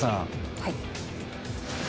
はい。